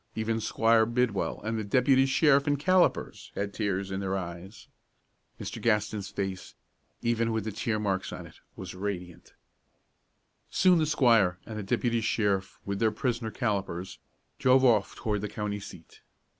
Even Squire Bidwell and the deputy sheriff and Callipers had tears in their eyes. Mr. Gaston's face, even with the tear marks on it, was radiant. Soon the squire and the deputy sheriff, with their prisoner, Callipers, drove off toward the county seat.